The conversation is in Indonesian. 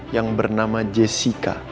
yang bernama jessica